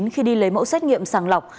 khi đi lấy mẫu xét nghiệm sàng lọc